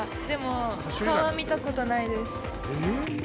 でも、顔は見たことないです。